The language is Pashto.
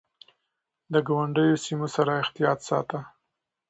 د ګاونډيو سيمو سره يې احتياط ساته.